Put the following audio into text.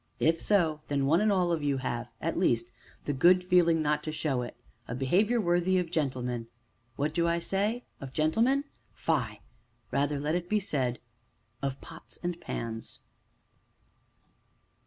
If so, then one and all of you have, at least, the good feeling not to show it, a behavior worthy of gentlemen what do I say? of gentlemen? fie! rather let it be said of pots and pans.